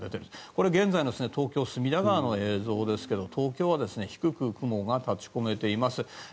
これは現在の東京の隅田川の様子ですが東京は低く雲が立ち込めています。